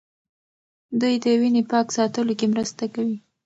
دوی د وینې پاک ساتلو کې مرسته کوي.